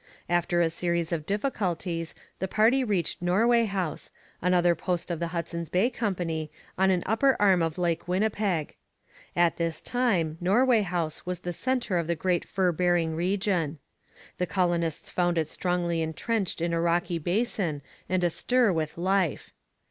After a series of difficulties the party reached Norway House, another post of the Hudson's Bay Company, on an upper arm of Lake Winnipeg. At this time Norway House was the centre of the great fur bearing region. The colonists found it strongly entrenched in a rocky basin and astir with life.